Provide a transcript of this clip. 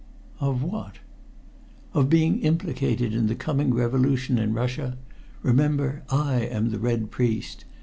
"Of what?" "Of being implicated in the coming revolution in Russia? Remember I am the Red Priest.